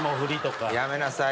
やめなさい！